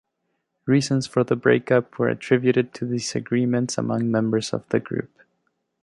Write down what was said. Reasons for the break-up were attributed to disagreements among members of the group.